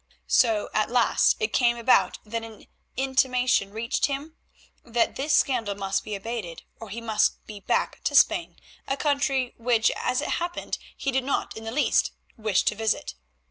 So at last it came about that an intimation reached him that this scandal must be abated, or he must go back to Spain, a country which, as it happened, he did not in the least wish to visit.